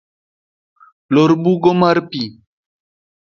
Lor bugo mar pi.